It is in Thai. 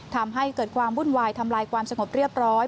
ทำให้เกิดความวุ่นวายทำลายความสงบเรียบร้อย